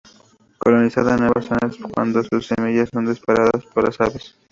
Coloniza nuevas zonas cuando sus semillas son dispersadas por las aves.